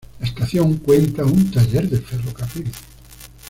La estación cuenta un taller del ferrocarril.